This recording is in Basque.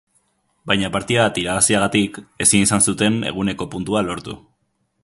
Baina partida bat irabaziagatik, ezin izan zuten eguneko puntua lortu.